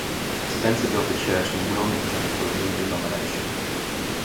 Spencer built a church in Wilmington for the new denomination.